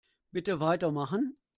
Bitte weitermachen.